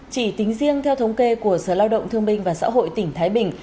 chỉ tính riêng theo thống kê của sở lao động thương minh và xã hội tỉnh thái bình